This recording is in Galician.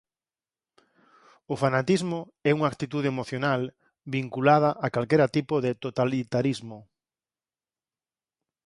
O fanatismo é unha actitude emocional vinculada a calquera tipo de totalitarismo.